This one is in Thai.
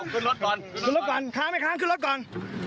ขึ้นรถก่อนขึ้นรถก่อนค้างไม่ค้างขึ้นรถก่อน